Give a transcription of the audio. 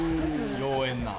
妖艶な。